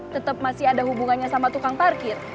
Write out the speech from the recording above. tetap masih ada hubungannya sama tukang parkir